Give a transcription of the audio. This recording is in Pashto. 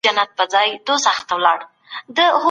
اقتصادي بحران د وروسته پاته والي سبب کیږي.